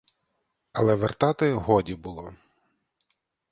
Але вертати годі було.